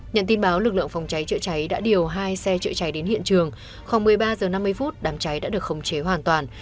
nhận tin báo lực lượng phòng cháy chữa cháy đã điều hai xe chữa cháy đến hiện trường khoảng một mươi ba h năm mươi đám cháy đã được khống chế hoàn toàn